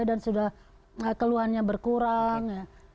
dan sudah keluhannya berkurang